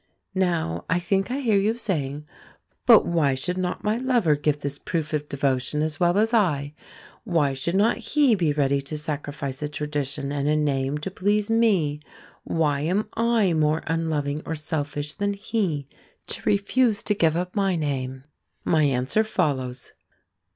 Now I think I hear you saying, "But why should not my lover give this proof of devotion as well as I? Why should not he be ready to sacrifice a tradition, and a name, to please me? Why am I more unloving, or selfish, than he, to refuse to give up my name?" My answer follows.